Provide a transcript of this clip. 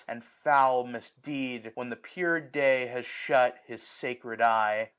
And foul misdeed, when the pure day has shut 915 His sacred eye.